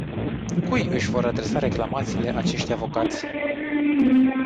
Cui își vor adresa reclamațiile acești avocați?